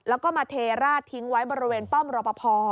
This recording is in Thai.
แล้วก็มาเทราดทิ้งไว้บริเวณป้อมรอปภ